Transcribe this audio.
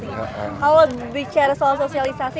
kalau bicara soal sosialisasi